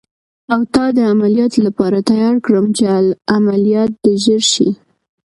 او تا د عملیاتو لپاره تیار کړم، چې عملیات دې ژر شي.